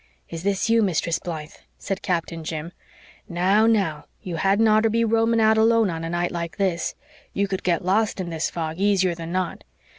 "Is this you, Mistress Blythe?" said Captain Jim. "Now, now, you hadn't oughter be roaming about alone on a night like this. You could get lost in this fog easier than not.